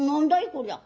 こりゃ。